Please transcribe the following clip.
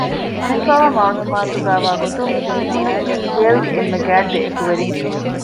ލިބިފައިވާ މަޢުލޫމާތުގައި ވާގޮތުން މި ދެމީހުންނަކީ އުޒޭލްގެ އެންމެ ގާތް ދެއެކުވެރިން